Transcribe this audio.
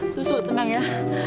susu tenang ya